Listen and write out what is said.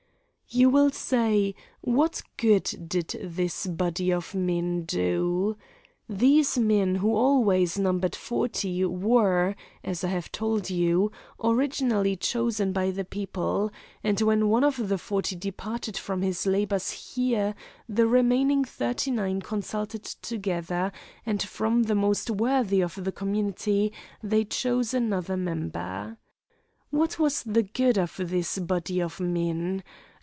You will say, what good did this body of men do? These men who always numbered forty were, as I have told you, originally chosen by the people, and when one of the forty departed from his labors here, the remaining thirty nine consulted together and from the most worthy of the community they chose another member. What was the good of this body of men?